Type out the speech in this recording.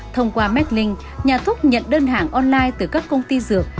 thông qua mekling nhà thuốc nhận đơn hàng online từ các công ty dược